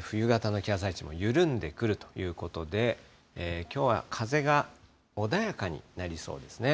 冬型の気圧配置も緩んでくるということで、きょうは風が穏やかになりそうですね。